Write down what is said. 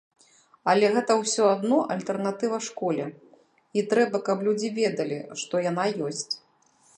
Але гэта ўсё адно альтэрнатыва школе, і трэба, каб людзі ведалі, што яна ёсць.